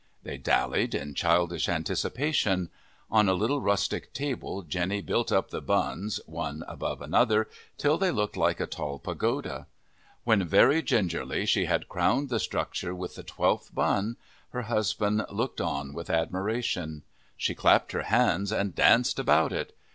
They dallied in childish anticipation. On the little rustic table Jenny built up the buns, one above another, till they looked like a tall pagoda. When, very gingerly, she had crowned the structure with the twelfth bun, her husband looking on with admiration, she clapped her hands and danced about it.